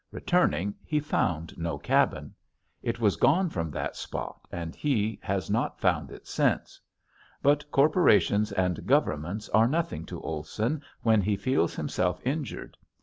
Returning, he found no cabin. It was gone from that spot and he has not found it since. But corporations and governments are nothing to Olson when he feels himself injured.